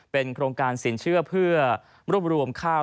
เป็นโครงการสินเชื่อเพื่อรวบรวมข้าว